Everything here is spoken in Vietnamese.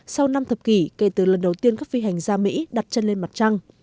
sau năm thập kỷ kể từ lần đầu tiên các phi hành gia mỹ đặt chân lên mặt trăng